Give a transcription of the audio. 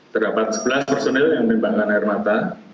terdapat sebelas personil yang menembakkan air mata